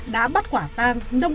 đã bắt quả tang nông thanh